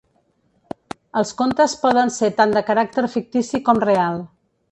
Els contes poden ser tant de caràcter fictici com real.